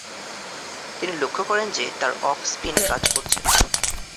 তিনি লক্ষ্য করেন যে, তার অফ স্পিন কাজ করছে না।